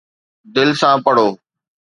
دل سان پڙهو